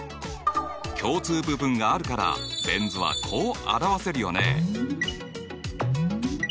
共通部分があるからベン図はこう表せるよね。